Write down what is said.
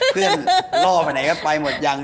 เพื่อนล่อไปไหนก็ไปหมดยัง